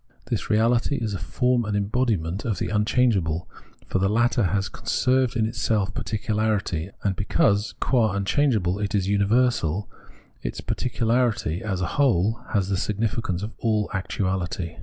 This reahty is a form and embodiment of the unchangeable, for the latter has conserved in itself particularity ; and because, qua unchangeable, it is a imiversal, its particu larity as a whole has the significance of all actuahty.